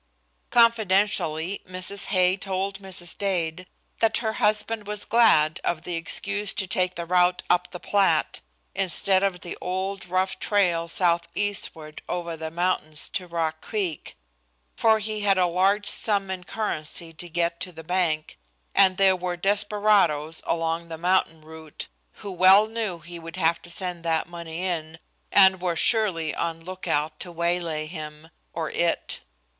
Confidentially, Mrs. Hay told Mrs. Dade that her husband was glad of the excuse to take the route up the Platte instead of the old, rough trail southeastward over the mountains to Rock Creek, for he had a large sum in currency to get to the bank, and there were desperados along the mountain route who well knew he would have to send that money in, and were surely on lookout to waylay him or it.